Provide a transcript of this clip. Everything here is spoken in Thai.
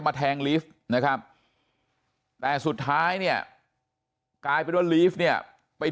แทงลีฟนะครับแต่สุดท้ายเนี่ยกลายเป็นว่าลีฟเนี่ยไป